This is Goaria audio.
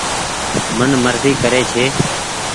من مرزي ڪري ڇي ۔